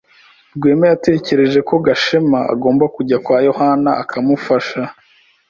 Rwema yatekereje ko Gashema agomba kujya kwa Yohana akamufasha.